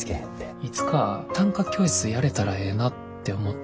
いつか短歌教室やれたらええなって思った。